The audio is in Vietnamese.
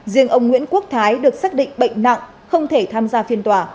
riêng ông nguyễn quốc thái được xác định bệnh nặng không thể tham gia phiên tòa